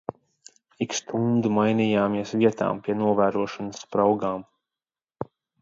Ik stundu mainījāmies vietām pie novērošanas spraugām.